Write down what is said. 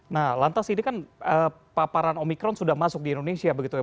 nah lantas ini kan paparan omikron sudah masuk di indonesia begitu ya